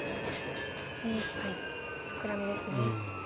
目いっぱいフクラミですね。